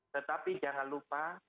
tetapi jangan lupa